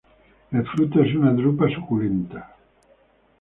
El fruto es una drupa suculenta.